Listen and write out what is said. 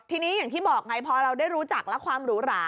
ทีนี้อย่างที่บอกไงพอเราได้รู้จักและความหรูหรา